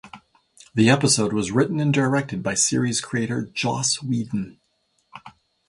The episode was written and directed by series creator Joss Whedon.